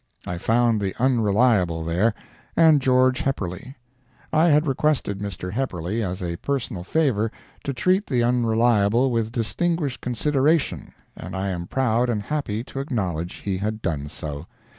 I found the Unreliable there, and George Hepperly. I had requested Mr. Hepperly, as a personal favor, to treat the Unreliable with distinguished consideration and I am proud and happy to acknowledge he had done so.